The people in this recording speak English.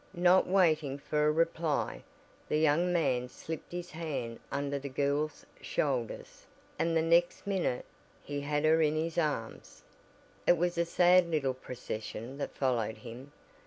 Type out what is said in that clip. Not waiting for a reply, the young man slipped his hand under the girl's shoulders, and the next minute he had her in his arms. It was a sad little procession that followed him.